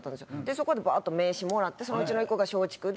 そこでバーッと名刺もらってそのうちの１個が松竹で。